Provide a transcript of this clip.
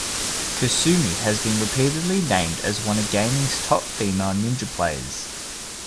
Kasumi has been repeatedly named as one of gaming's top female ninja characters.